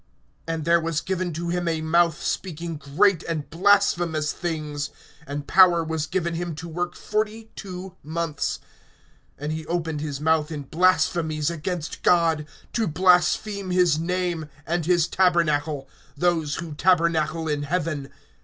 (5)And there was given to him a mouth speaking great and blasphemous things; and power was given him to work forty two months. (6)And he opened his mouth in blasphemies against God, to blaspheme his name, and his tabernacle, those who tabernacle in heaven.